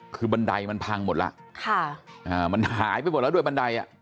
คือบันไดมันพังหมดแล้วค่ะอ่ามันหายไปหมดแล้วด้วยบันไดอ่ะ